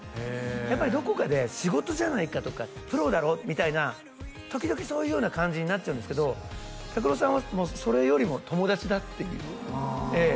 やっぱりどこかで仕事じゃないかとかプロだろみたいな時々そういうような感じになっちゃうんですけどＴＡＫＵＲＯさんはそれよりも友達だっていうええ